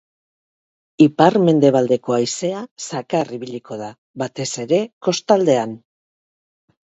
Ipar-mendebaldeko haizea zakar ibiliko da, batez ere kostaldean.